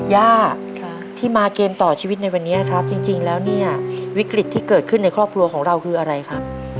ย่าที่มาเกมต่อชีวิตในวันนี้ครับจริงแล้วเนี่ยวิกฤตที่เกิดขึ้นในครอบครัวของเราคืออะไรครับ